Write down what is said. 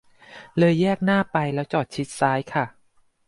เลยแยกหน้าไปแล้วจอดชิดซ้ายค่ะ